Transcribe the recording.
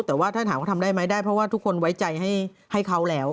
แต่ว่าถ้าถามว่าทำได้ไหมได้เพราะว่าทุกคนไว้ใจให้เขาแล้ว